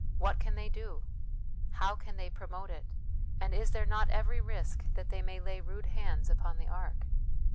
What can they do ? How can they promote it ? and is there not every risk that they may lay rude hands upon the ark?